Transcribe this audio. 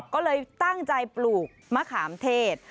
ก็เลยตั้งใจปลูกมะขามเทศ